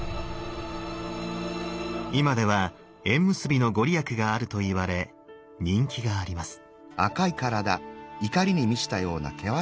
今では縁結びのご利益があるといわれ人気があります。